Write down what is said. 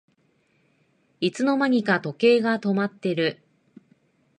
いつの間にか時計が止まってる